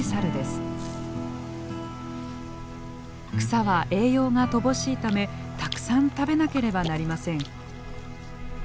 草は栄養が乏しいためたくさん食べなければなりません。